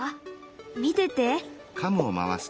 見てて。